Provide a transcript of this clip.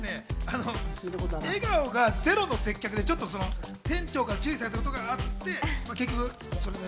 笑顔がゼロの接客でちょっと店長から注意されたことがあって結局。